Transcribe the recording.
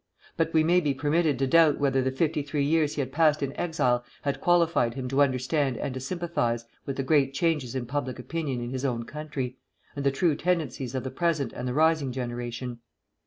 But we may be permitted to doubt whether the fifty three years he had passed in exile had qualified him to understand and to sympathize with the great changes in public opinion in his own country, and the true tendencies of the present and the rising generation.